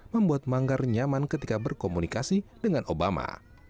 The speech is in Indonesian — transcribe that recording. membuat manggar nyaman ketika berkomunikasi dengan obama